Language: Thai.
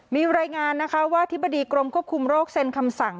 มีรายงานนะคะว่าอธิบดีกรมควบคุมโรคเซ็นคำสั่ง